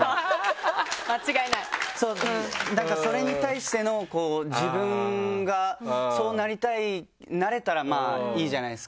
だからそれに対しての自分がそうなりたいなれたらまぁいいじゃないですか。